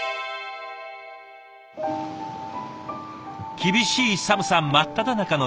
厳しい寒さ真っただ中の２月。